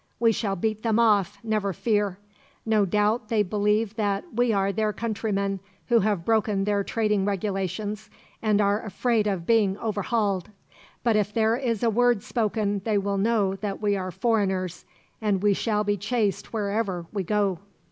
We shall beat them off, never fear. No doubt they believe that we are their countrymen, who have broken their trading regulations, and are afraid of being overhauled. But if there is a word spoken they will know that we are foreigners, and we shall be chased wherever we go."